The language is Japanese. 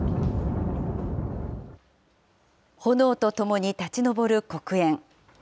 炎とともに立ち上る黒煙。